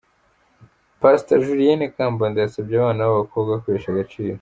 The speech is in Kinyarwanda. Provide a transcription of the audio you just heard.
Pastor Julienne Kabanda yasabye abana b'abakobwa kwihesha agaciro.